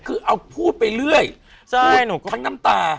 คือเอาพูดไปเรื่อยพูดทั้งน้ำตา